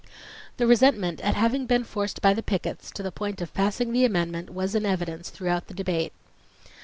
The resentment at having been forced by the pickets to the point of passing the amendment was in evidence throughout the debate.